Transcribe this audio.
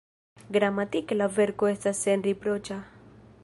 Gramatike la verko estas senriproĉa.